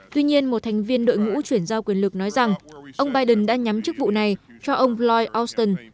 tuy nhiên một thành viên đội ngũ chuyển giao quyền lực nói rằng ông biden đã nhắm chức vụ này cho ông floyd auston